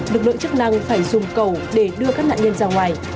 lực lượng chức năng phải dùng cầu để đưa các nạn nhân ra ngoài